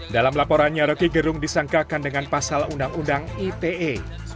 dalam laporannya roky gerung disangkakan dengan pasal undang undang ite